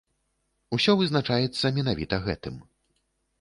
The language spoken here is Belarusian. Усё вызначаецца менавіта гэтым.